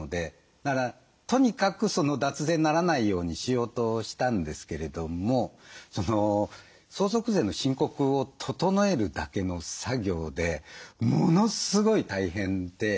だからとにかく脱税にならないようにしようとしたんですけれども相続税の申告を整えるだけの作業でものすごい大変で。